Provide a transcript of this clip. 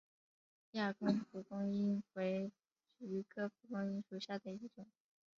亚东蒲公英为菊科蒲公英属下的一个种。